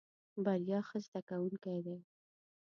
بريا ښه زده کوونکی دی.